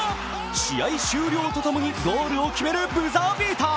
試合終了とともにゴールを決めるブザービーター。